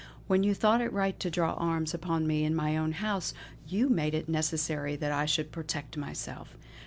When you thought it right to draw arms upon me in my own house, you made it necessary that I should protect myself.